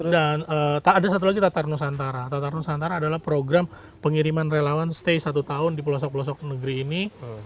dan ada satu lagi tatar nusantara tatar nusantara adalah program pengiriman relawan stay satu tahun di pelosok pelosok negeri ini